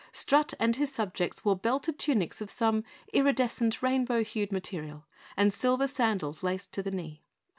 Strut and his subjects wore belted tunics of some iridescent, rainbow hued material, and silver sandals laced to the knee.